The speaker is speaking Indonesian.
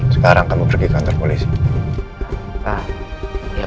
sekarang kamu pergi kantor polisi pak baik